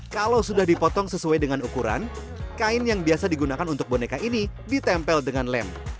kalau sudah dipotong sesuai dengan ukuran kain yang biasa digunakan untuk boneka ini ditempel dengan lem